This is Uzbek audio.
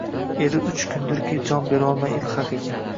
Eri uch kundirki, jon berolmay ilhaq ekan…